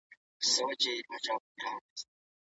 قصاص د ټولني د نظم لپاره دی.